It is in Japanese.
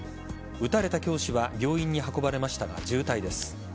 撃たれた教師は病院に運ばれましたが、重体です。